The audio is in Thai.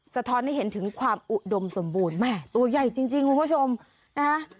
สะท้อนให้เห็นถึงความอุดมสมบูรณ์แม่ตัวใหญ่จริงคุณผู้ชมนะฮะ